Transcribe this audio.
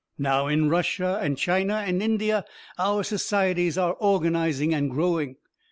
Now, in Russia and China and India, our societies are organizing and growing.